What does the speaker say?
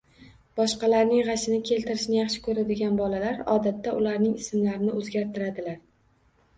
Boshqalarning g‘ashini keltirishni yaxshi ko‘radigan bolalar odatda ularning ismlarini o‘zgartiradilar